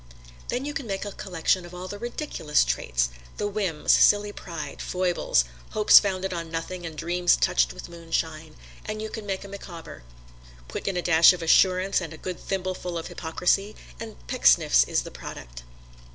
Then you can make a collection of all the ridiculous traits the whims, silly pride, foibles, hopes founded on nothing and dreams touched with moonshine and you make a Micawber. Put in a dash of assurance and a good thimbleful of hypocrisy, and Pecksniff is the product.